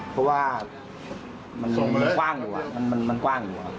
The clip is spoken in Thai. เพราะว่ามันกว้างอยู่อ่ะ